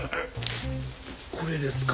これですか？